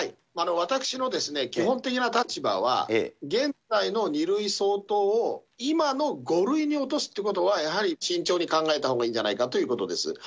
私の基本的な立場は、現在の２類相当を、今の５類に落とすということは、やはり慎重に考えたほうがいいんじゃないかということです。